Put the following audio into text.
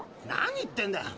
何言ってんだ。